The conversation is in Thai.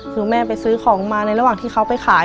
คือแม่ไปซื้อของมาในระหว่างที่เขาไปขาย